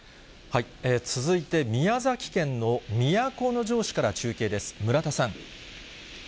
続いて宮崎県の都城市から中継です。